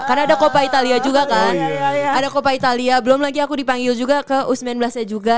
karena ada coppa italia juga kan ada coppa italia belom lagi aku dipanggil juga ke u sembilan belas nya juga